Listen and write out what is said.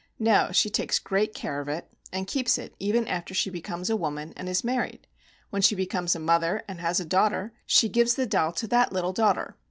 No, she takes great care of it, and keeps it even after she becomes a woman and is married. When she becomes a mother, and has a daughter, she gives the doll to that little daughter.